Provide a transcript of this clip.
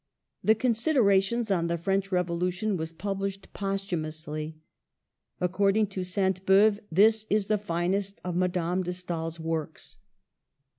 The Considerations on the French Revolution were published posthumously. According to Sainte Beuve, this is the finest of Madame de Steel's works.